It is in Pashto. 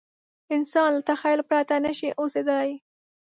انسان له تخیل پرته نه شي اوسېدای.